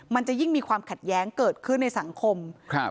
มันจะยิ่งมีความขัดแย้งเกิดขึ้นในสังคมครับ